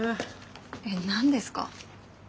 えっ何ですか？